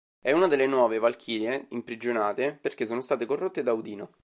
È una delle nove valchirie imprigionate perché sono state corrotte da Odino.